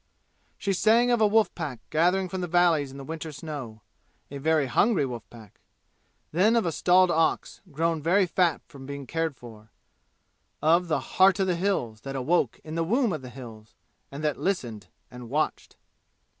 She sang of a wolf pack gathering from the valleys in the winter snow a very hungry wolf pack. Then of a stalled ox, grown very fat from being cared for. Of the "Heart of the Hills" that awoke in the womb of the "Hills," and that listened and watched.